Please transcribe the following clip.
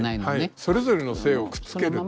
それぞれの姓をくっつける。